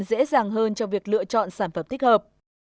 dễ dàng hơn cho việc lựa chọn sản phẩm thích hợp